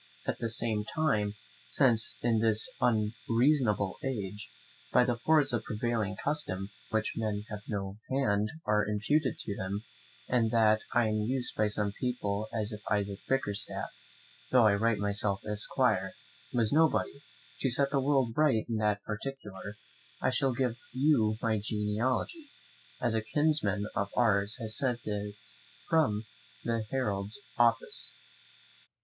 At the same time, since in this unreasonable age, by the force of prevailing custom, things in which men have no hand are imputed to them; and that I am used by some people as if Isaac Bickerstaff, though I write myself Esquire, was nobody: to set the world right in that particular, I shall give you my genealogy, as a kinsman of ours has sent it me from the Heralds' Office.